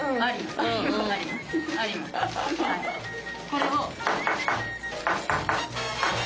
これを。